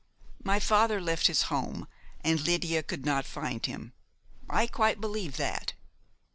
My father left his home, and Lydia could not find him. I quite believe that.